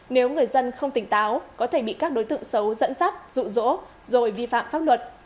nếu người dân không tỉnh táo có thể bị các đối tượng xấu dẫn dắt rụ rỗ rồi vi phạm pháp luật